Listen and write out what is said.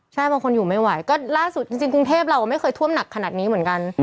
ใช่บางคนอยู่ไม่ไหวก็ล่าสุดจริงกรุงเทพเราไม่เคยท่วมหนักขนาดนี้เหมือนกัน